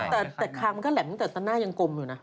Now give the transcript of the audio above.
แต่คางมันก็แหลมตั้งแต่ตอนหน้ายังกลมอยู่นะ